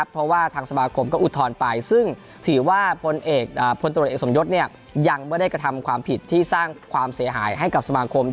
เพราะว่าทางสมาคมก็อุทธรณ์ไปซึ่งถือว่าพลตรวจเอกสมยศยังไม่ได้กระทำความผิดที่สร้างความเสียหายให้กับสมาคม